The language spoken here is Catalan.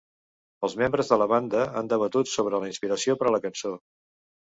Els membres de la banda han debatut sobre la inspiració per a la cançó.